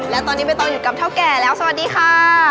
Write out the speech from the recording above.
และตอนนี้ใบตองอยู่กับเท่าแก่แล้วสวัสดีค่ะ